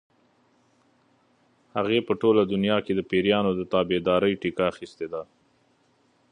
هغې په ټوله دنیا کې د پیریانو د تابعدارۍ ټیکه اخیستې ده.